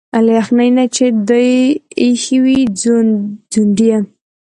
له يخني نه چي دي ا يښي وو ځونډ يه